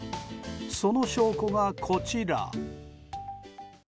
その証拠がこちら。